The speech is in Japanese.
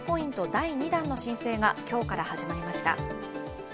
第２弾の申請が今日から始まりました。